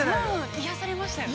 ◆癒やされましたよね。